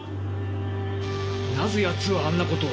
なぜやつはあんなことを？